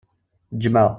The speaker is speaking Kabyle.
Ǧǧem-aɣ!